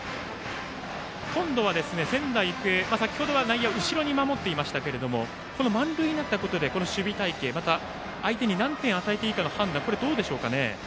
今度は仙台育英、先程は内野後ろに守っていましたがこの満塁になったことで守備隊形やまた相手に何点与えていいかの判断、どうでしょうかね。